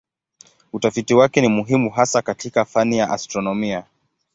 Utafiti wake ni muhimu hasa katika fani ya astronomia.